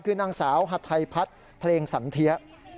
คือนางสาวหัดไทยพัฒน์เพลงสันเทีย